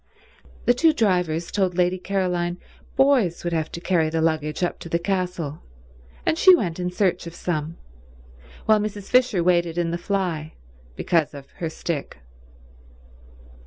The two drivers told Lady Caroline boys would have to carry the luggage up to the castle, and she went in search of some, while Mrs. Fisher waited in the fly because of her stick.